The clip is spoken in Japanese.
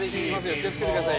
気をつけてください